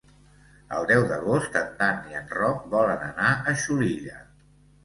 El deu d'agost en Dan i en Roc volen anar a Xulilla.